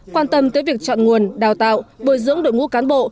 quan tâm tới việc chọn nguồn đào tạo bồi dưỡng đội ngũ cán bộ